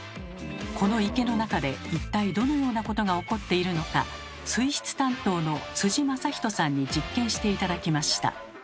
この池の中で一体どのようなことが起こっているのか水質担当の正仁さんに実験して頂きました。